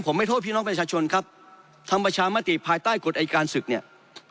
ผมไม่โทษพี่น้องประชาชนครับทำประชามติภายใต้กฎอายการศึกเนี่ย